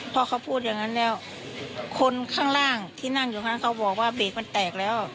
พอเขาพูดอย่างนั้นแล้วคนข้างล่างที่นั่งอยู่ข้างเขาบอกว่าเบรกมันแตกแล้ว